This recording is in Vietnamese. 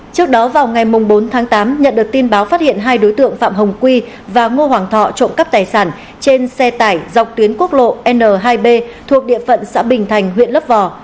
trước đó vào ngày bốn tháng tám nhận được tin báo phát hiện hai đối tượng phạm hồng quy và ngô hoàng thọ trộm cắp tài sản trên xe tải dọc tuyến quốc lộ n hai b thuộc địa phận xã bình thành huyện lấp vò